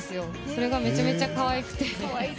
それがめちゃくちゃ可愛くて。